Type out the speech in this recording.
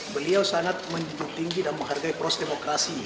beliau sangat menjunjung tinggi dan menghargai proses demokrasi